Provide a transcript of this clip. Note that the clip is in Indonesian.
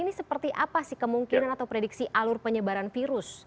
ini seperti apa sih kemungkinan atau prediksi alur penyebaran virus